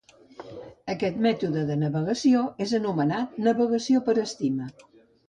Aquest mètode de navegació és anomenat navegació per estima.